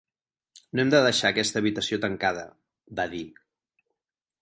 "No hem de deixar aquesta habitació tancada", va dir.